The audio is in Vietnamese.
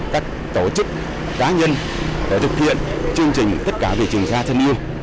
các tổ chức cá nhân để thực hiện chương trình tất cả về trường sa thân yêu